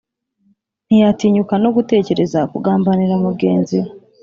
ntiyatinyuka no gutekereza kugambanira mugenzi we